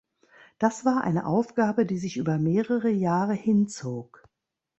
Das war eine Aufgabe, die sich über mehrere Jahre hinzog.